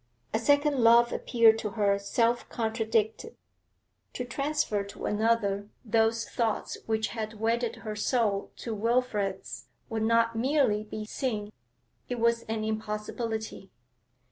A second love appeared to her self contradicted; to transfer to another those thoughts which had wedded her soul to Wilfrid's would not merely be sin, it was an impossibility.